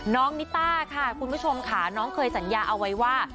นิต้าค่ะคุณผู้ชมค่ะน้องเคยสัญญาเอาไว้ว่า